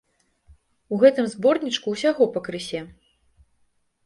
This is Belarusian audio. У гэтым зборнічку ўсяго пакрысе.